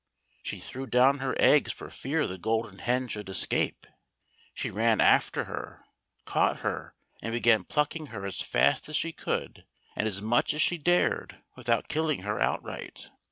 She threw down her eggs for fear the Golden Hen should escape; she ran after her, caught her, and began plucking her as, fast as she could and as much as she dared without killing her outright.